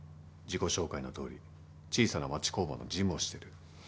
自己紹介のとおり小さな町工場の事務をしてる。